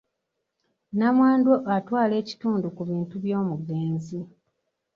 Nnamwandu atwala ekitundu ku bintu by'omugenzi.